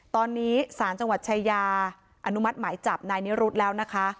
ตอนนี้สารจังหวัดชายาอนุมัติหมายจับนายนิรุธแล้วนะคะ